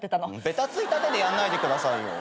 べたついた手でやんないでくださいよ。